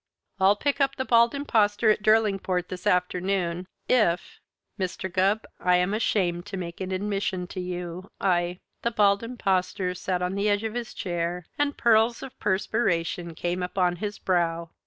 I'll pick up the Bald Impostor at Derlingport this afternoon if Mr. Gubb, I am ashamed to make an admission to you. I " The Bald Impostor sat on the edge of his chair and pearls of perspiration came upon his brow.